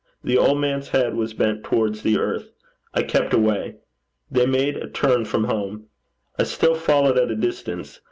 The old man's head was bent towards the earth. I kept away. They made a turn from home. I still followed at a distance.